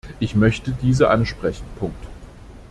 Ich möchte diese ansprechen.